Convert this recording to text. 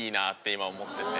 今思ってて。